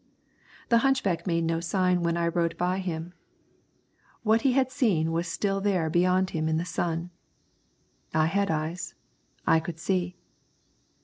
The hunchback made no sign when I rode by him. What he had seen was still there beyond him in the sun. I had eyes; I could see.